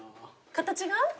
形が？